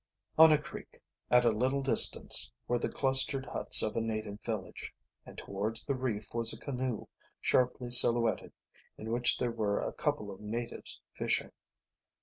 On a creek, at a little distance, were the clustered huts of a native village, and towards the reef was a canoe, sharply silhouetted, in which were a couple of natives fishing.